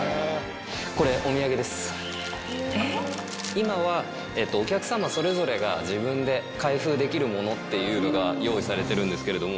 今はお客様それぞれが自分で開封できるものっていうのが用意されてるんですけれども。